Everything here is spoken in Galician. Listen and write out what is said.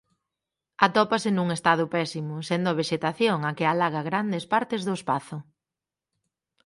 Atópase nun estado pésimo sendo a vexetación a que alaga grandes partes do espazo.